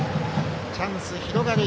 チャンス広がる